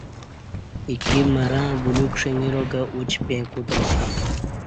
ایکی م رں بلیوک ݜنگراکہ ا چ پیں کوتاسی